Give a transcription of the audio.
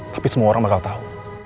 tapi semua orang bakal tahu